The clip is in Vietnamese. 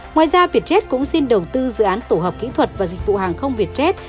ngoài ra việt tết cũng xin đầu tư dự án tổ hợp kỹ thuật và dịch vụ hàng không việt tết